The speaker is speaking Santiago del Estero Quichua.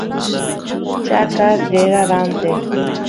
chaqa rera ranteq